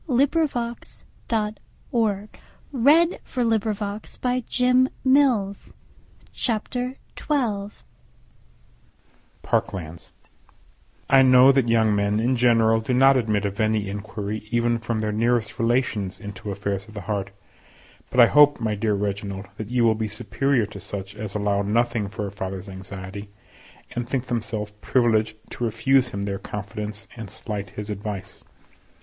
_ Parklands. I know that young men in general do not admit of any enquiry even from their nearest relations into affairs of the heart, but I hope, my dear Reginald, that you will be superior to such as allow nothing for a father's anxiety, and think themselves privileged to refuse him their confidence and slight his advice.